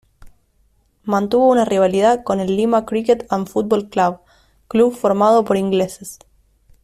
Mantuvo una rivalidad con el Lima Cricket and Football Club, club formado por ingleses.